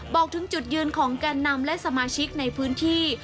บอกถึงจุดยืนของแกนนำและสมาชิกในพื้นที่